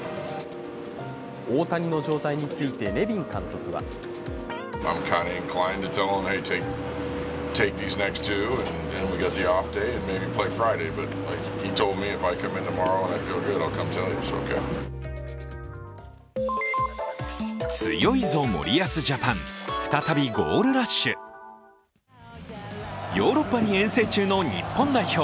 大谷の状態についてネビン監督はヨーロッパに遠征中の日本代表。